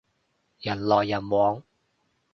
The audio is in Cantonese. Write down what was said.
人來人往